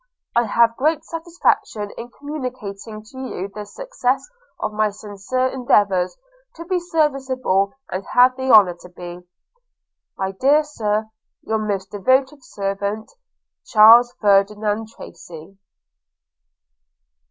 I have great satisfaction in communicating to you the success of my sincere endeavours to be serviceable, and have the honour to be, My dear Sir, Your most devoted servant, CHARLES FERDINAND TRACY.'